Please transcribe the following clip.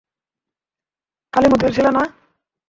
কালিমুথুর ছেলে না?